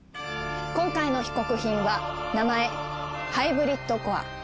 今回の被告品は名前ハイブリッドコア。